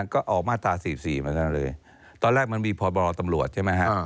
ก็ออกมาตรา๔๔มาซะเลยตอนแรกมันมีพบรตำรวจใช่ไหมฮะ